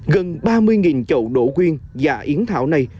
gần ba mươi chậu đổ quyên và yến thảo này